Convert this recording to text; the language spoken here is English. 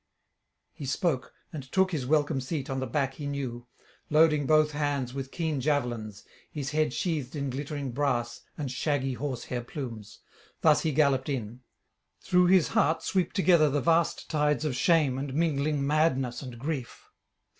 He spoke, and took his welcome seat on the back he knew, loading both hands with keen javelins, his head sheathed in glittering brass and shaggy horse hair plumes. Thus he galloped in. Through his heart sweep together the vast tides of shame and mingling madness and grief.